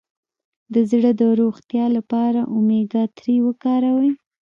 د زړه د روغتیا لپاره اومیګا تري وکاروئ